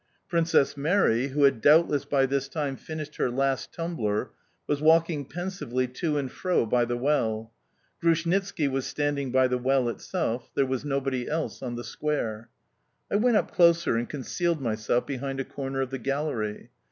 Princess Mary, who had doubtless by this time finished her last tumbler, was walking pensively to and fro by the well. Grushnitski was standing by the well itself; there was nobody else on the square. I went up closer and concealed myself behind a corner of the gallery.